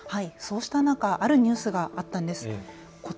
そうした中、あるニュースがあったんです。